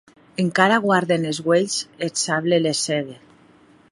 Encara guarden es uelhs, e eth sable les cègue.